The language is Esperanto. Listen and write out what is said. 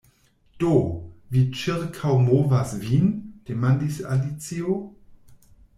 "Do, vi ĉirkaŭmovas vin?" demandis Alicio.